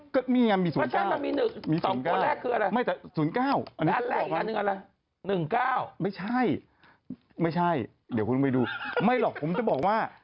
เกี่ยวกับคนเคยใช่ไหมอะไรของพี่น่ะ